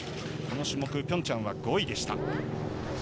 この種目ピョンチャンは５位。